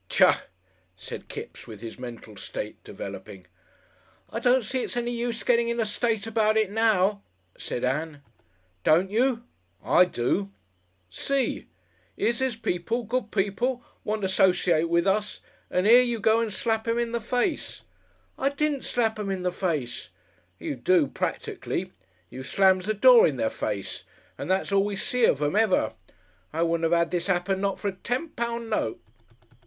"Tcha!" said Kipps, with his mental state developing. "I don't see it's any use getting in a state about it now," said Ann. "Don't you? I do. See? 'Ere's these people, good people, want to 'sociate with us, and 'ere you go and slap 'em in the face!" "I didn't slap 'em in the face." "You do practically. You slams the door in their face, and that's all we see of 'em ever. I wouldn't 'ave 'ad this 'appen not for a ten pound note."